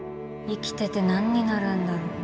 生きててなんになるんだろう。